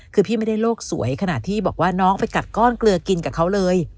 คือพี่ไม่ได้โลกสวยขนาดที่บอกว่าน้องไปกัดก้อนเกลือกินกับเขาเลย